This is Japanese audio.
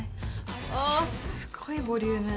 おぉすっごいボリューム。